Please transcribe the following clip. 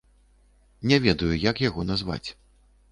Не ведаю, як яго назваць.